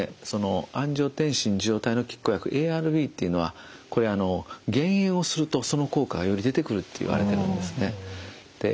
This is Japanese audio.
アンジオテンシン受容体の拮抗薬ＡＲＢっていうのはこれ減塩をするとその効果がより出てくるといわれてるんですね。